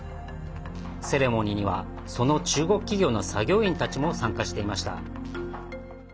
セレモニーには、その中国企業の作業員たちも参加していました。